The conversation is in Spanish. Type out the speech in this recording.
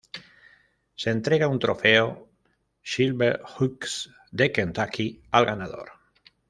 Se entrega un trofeo Silver Oaks de Kentucky al ganador.